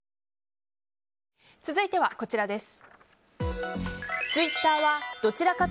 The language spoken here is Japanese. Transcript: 続いては、こちらです。